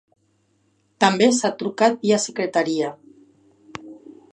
També s’ha trucat via secretaria.